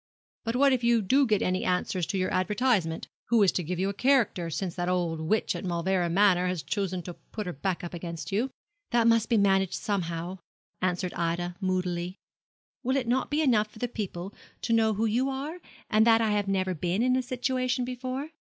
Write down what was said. But what if you do get any answers to your advertisement? Who is to give you a character, since that old witch at Mauleverer Manor has chosen to put up her back against you?' 'That must be managed somehow,' answered Ida, moodily. 'Will it not be enough for the people to know who you are, and that I have never been in a situation before?